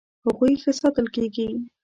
هغوی ښه ساتل کیږي.